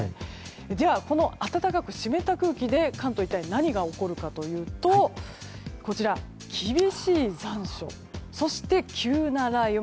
では、この暖かく湿った空気で関東は一体何が起こるかというと厳しい残暑、急な雷雨。